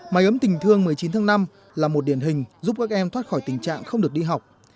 máy ấm tình thương một mươi chín tháng năm là một điển hình giúp các em thoát khỏi tình trạng không được đi học